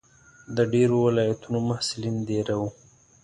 د ډېرو ولایتونو محصلین دېره وو.